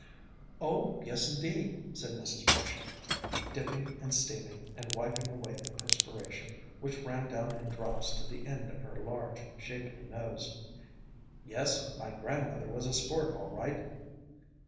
"Oh yes, indeed," said Mrs. Marshall, dipping and steaming, and wiping away the perspiration, which ran down in drops to the end of her large, shapely nose. "Yes, my grandmother was a sport, all right."